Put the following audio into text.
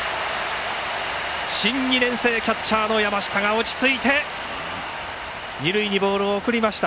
新２年生キャッチャーの山下が落ち着いて二塁にボールを送りました。